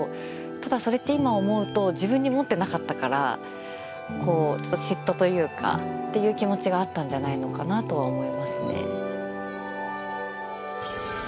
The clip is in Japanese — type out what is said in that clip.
ただそれって今思うと自分に持ってなかったからちょっと嫉妬というかっていう気持ちがあったんじゃないのかなとは思いますね。